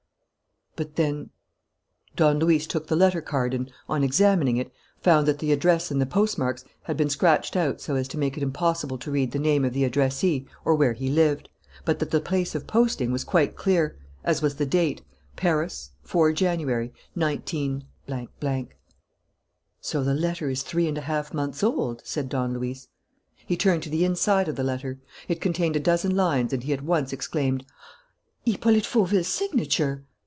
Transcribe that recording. "But then " Don Luis took the letter card and, on examining it, found that the address and the postmarks had been scratched out so as to make it impossible to read the name of the addressee or where he lived, but that the place of posting was quite clear, as was the date: Paris, 4 January, 19 . "So the letter is three and a half months old," said Don Luis. He turned to the inside of the letter. It contained a dozen lines and he at once exclaimed: "Hippolyte Fauville's signature!"